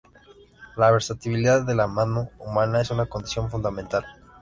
La versatilidad de la mano humana es una condición fundamental.